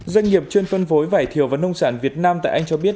doanh nghiệp chuyên phân phối vải thiều và nông sản việt nam tại anh cho biết